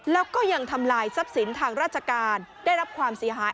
แล้วก็ยังทำลายทรัพย์สินทางราชการได้รับความเสียหาย